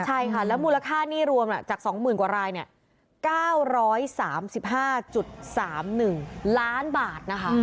ใช่ค่ะแล้วมูลค่าหนี้รวมจากสองหมื่นกว่ารายเนี่ย๙๓๕๓๑ล้านบาทนะคะ